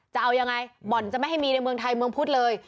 จะเอายังไงบ่อนจะไม่ให้มีในเมืองไทยเมืองพุทธเลย